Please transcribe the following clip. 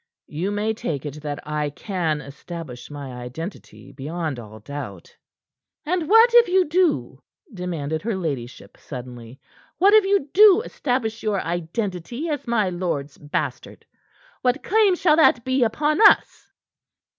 You may take it that I can establish my identity beyond all doubt." "And what if you do?" demanded her ladyship suddenly. "What if you do establish your identity as my lord's bastard? What claim shall that be upon us?"